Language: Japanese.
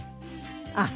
あっ。